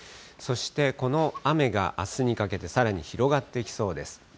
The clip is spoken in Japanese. そして、この雨があすにかけてさらに広がってきそうです。